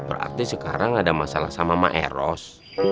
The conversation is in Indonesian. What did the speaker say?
berarti sekarang ada masalah sama maeros